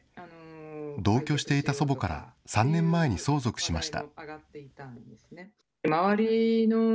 同居していた祖母から３年前に相続しました。